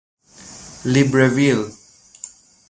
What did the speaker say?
لیبرویل